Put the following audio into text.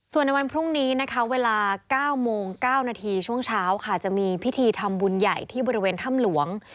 ส่วนในวันพรุ่งนี้นะคะเวลา๙โมง๙นาทีช่วงเช้าค่ะจะมีพิธีทำบุญใหญ่ที่บริเวณถ้ำหลวง